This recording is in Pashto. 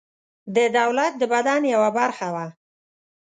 د دولت د بدن یوه برخه وه.